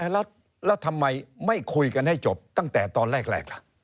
แล้วทำไมไม่คุยกันให้จบตั้งแต่ตอนแรกล่ะ